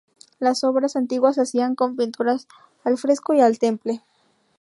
Las obras antiguas se hacían con pinturas al fresco y al temple.